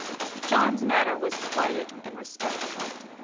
John's manner was quiet and respectful.